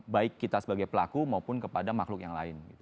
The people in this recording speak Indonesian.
baik kita sebagai pelaku maupun kepada makhluk yang lain